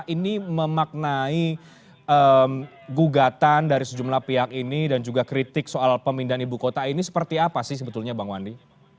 ini memaknai gugatan dari sejumlah pihak ini dan juga kritik soal pemindahan ibu kota ini seperti apa sih sebetulnya bang wandi